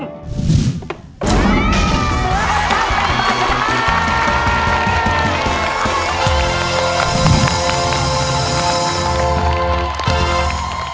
เสื้อของตั้งแต่ฝ่ายชนะ